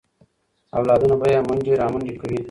اولادونه به یې منډې رامنډې کوي.